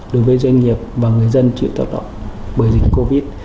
đối với doanh nghiệp và người dân chịu tác động bởi dịch covid